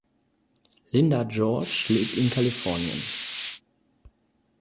Linda George lebt in Kalifornien.